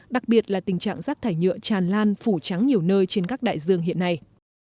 đặc biệt là tình trạng rác thải nhựa tràn lan phủ trắng nhiều nơi trên các đại dương hiện nay